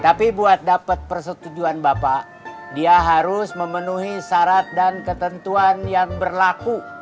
tapi buat dapat persetujuan bapak dia harus memenuhi syarat dan ketentuan yang berlaku